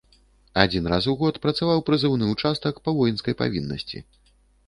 Адзін раз у год працаваў прызыўны ўчастак па воінскай павіннасці.